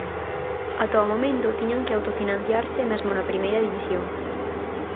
Ata o momento tiñan que autofinanciarse mesmo na Primeira División.